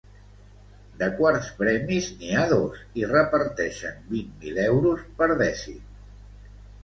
De quarts premis, n’hi ha dos i reparteixen vint mil euros per dècim.